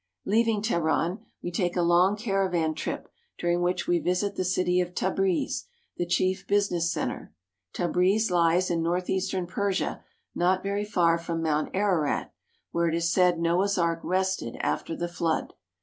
Leaving Teheran, we take a long caravan trip, during which we visit the city of Tabriz, the chief business center. Tabriz lies in northeastern Persia not very far from Mount Ararat, where it is said Noah's Ark rested after the flood.